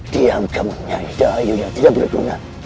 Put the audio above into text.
diam kamu nyai dayu yang tidak berguna